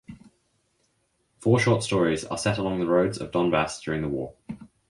Four short stories are set along the roads of Donbass during the war.